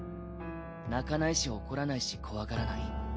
泣かないし怒らないし怖がらない。